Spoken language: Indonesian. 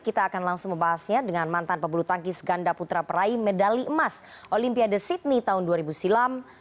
kita akan langsung membahasnya dengan mantan pebulu tangkis ganda putra peraih medali emas olimpiade sydney tahun dua ribu silam